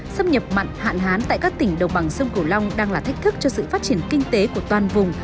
xâm nhập mặn hạn hán tại các tỉnh đầu bằng sông cửu long đang là thách thức cho sự phát triển kinh tế của toàn vùng